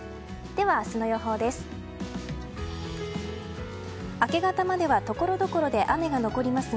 では、明日の予報です。